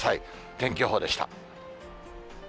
天気予報でした。